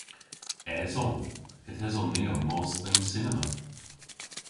Eson. Yth eson ni ow mos dhe'n cinema.